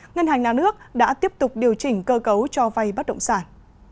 ngân hàng nhà nước đã tiếp tục điều chỉnh cơ cấu cho vay bất động sản